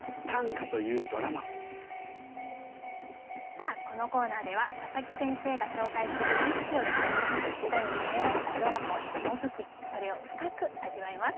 さあこのコーナーでは佐佐木先生が紹介する一首を起点に歌に秘められたドラマをひも解きそれを深く味わいます。